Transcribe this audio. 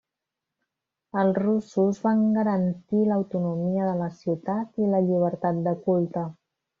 Els russos van garantia l'autonomia de la ciutat i la llibertat de culte.